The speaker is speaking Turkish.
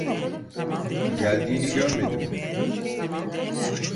Geldiğini görmedim.